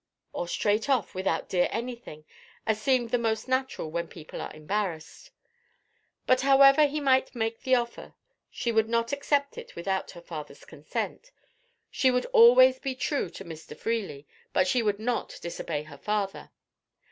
or straight off, without dear anything, as seemed the most natural when people were embarrassed? But, however he might make the offer, she would not accept it without her father's consent: she would always be true to Mr. Freely, but she would not disobey her father.